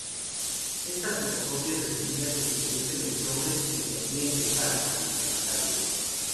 Estas fotocopias reducidas se introducían en sobres y se hacían llegar al destinatario.